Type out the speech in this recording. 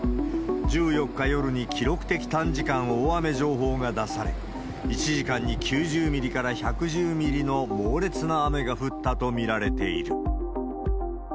１４日夜に記録的短時間大雨情報が出され、１時間に９０ミリから１１０ミリの猛烈な雨が降ったと見られている。